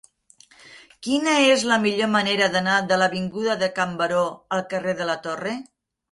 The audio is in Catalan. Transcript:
Quina és la millor manera d'anar de l'avinguda de Can Baró al carrer de la Torre?